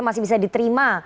masih bisa diterima